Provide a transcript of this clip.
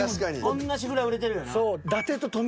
おんなじぐらい売れてるよな。